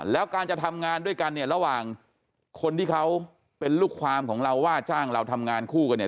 แล้วการจะทำงานด้วยกันเนี่ยระหว่างคนที่เขาเป็นลูกความของเราว่าจ้างเราทำงานคู่กันเนี่ย